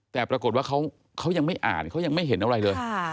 แต่ปรากฏว่าเขายังไม่อ่านเขายังไม่เห็นอะไรเลย